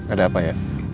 ada apa ya